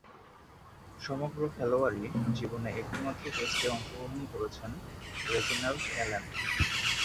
সমগ্র খেলোয়াড়ী জীবনে একটিমাত্র টেস্টে অংশগ্রহণ করেছেন রেজিনাল্ড অ্যালেন।